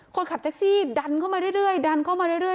คนขับแท็กซี่ดันเข้ามาเรื่อยดันเข้ามาเรื่อย